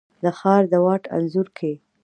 د ښار د واټ انځور کي،